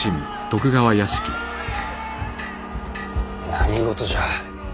何事じゃ。